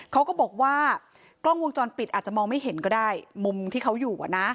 เขาก็บอกว่ากล้องวงจรปิดอาจจะมองไม่เห็นก็ได้มุมที่เขาอยู่อ่ะนะ